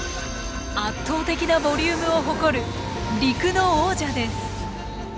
圧倒的なボリュームを誇る陸の王者です。